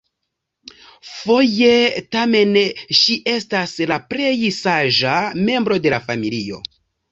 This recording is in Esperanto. Foje tamen ŝi estas la plej saĝa membro de la familio.